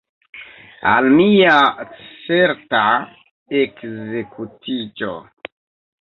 Al mia certa ekzekutiĝo!